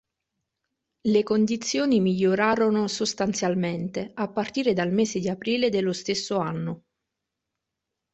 Le condizioni migliorarono sostanzialmente a partire dal mese di aprile dello stesso anno.